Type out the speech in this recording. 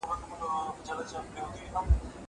لوښي وچ کړه.